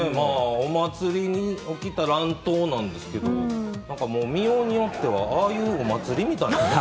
お祭りに起きた乱闘なんですけど見ようによってはああいうお祭りみたいな。